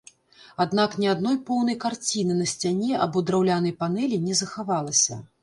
Аднак ні адной поўнай карціны на сцяне або драўлянай панэлі не захавалася.